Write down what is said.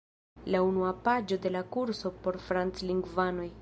La unua paĝo de la kurso por franclingvanoj.